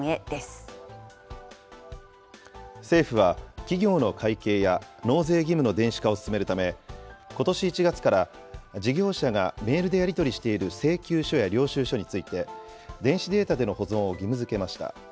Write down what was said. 政府は、企業の会計や納税義務の電子化を進めるため、ことし１月から事業者がメールでやり取りしている請求書や領収書について、電子データでの保存を義務づけました。